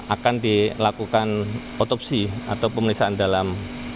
akan dilakukan otopsi atau pemeriksaan dalam